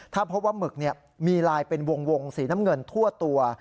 ถ้าพบว่าหมึกมีลายเป็นวงสีน้ำเงินทั่วตัว